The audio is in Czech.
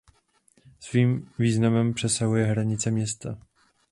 Svým významem přesahuje hranice města.